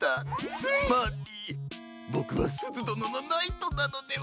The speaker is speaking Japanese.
つまりボクはすずどののナイトなのでは？